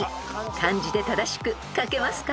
漢字で正しく書けますか？］